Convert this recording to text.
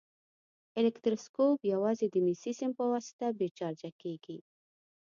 الکتروسکوپ یوازې د مسي سیم په واسطه بې چارجه کیږي.